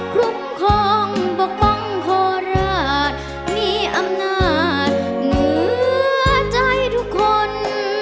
คุ้มครองปกป้องโคราชมีอำนาจเหนือใจทุกคน